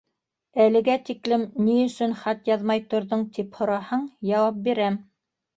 Әлегә тиклем ни өсөн хат яҙмай торҙоң, тип һораһаң, яуап бирәм.